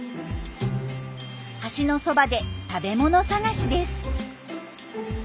橋のそばで食べ物探しです。